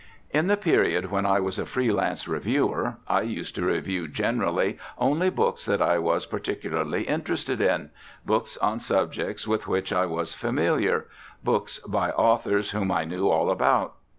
In the period when I was a free lance reviewer, I used to review generally only books that I was particularly interested in, books on subjects with which I was familiar, books by authors whom I knew all about.